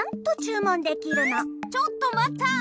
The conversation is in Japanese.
ちょっとまった！